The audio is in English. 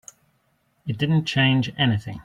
It didn't change anything.